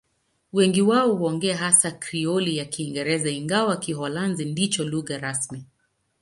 Wengi wao huongea hasa Krioli ya Kiingereza, ingawa Kiholanzi ndicho lugha rasmi.